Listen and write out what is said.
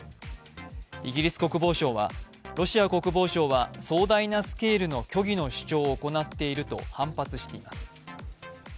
イギリス国防省はロシア国防省は壮大なスケールの虚偽の主張を行っていると反発しています。